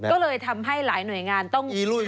ก็เลยทำให้หลายหน่วยงานต้อง